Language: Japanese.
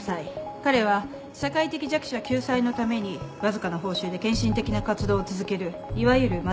彼は社会的弱者救済のためにわずかな報酬で献身的な活動を続けるいわゆるマチベンです。